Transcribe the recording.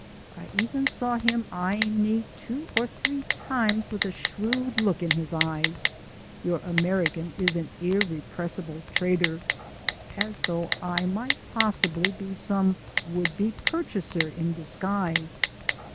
I even saw him eying me two or three times with a shrewd look in his eyes (your American is an irrepressible trader) as though I might possibly be some would be purchaser in disguise.